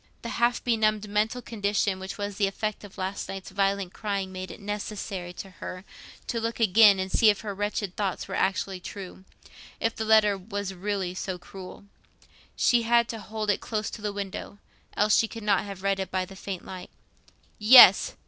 The half benumbed mental condition which was the effect of the last night's violent crying made it necessary to her to look again and see if her wretched thoughts were actually true—if the letter was really so cruel. She had to hold it close to the window, else she could not have read it by the faint light. Yes!